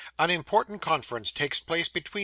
AN IMPORTANT CONFERENCE TAKES PLACE BETWEEN MR.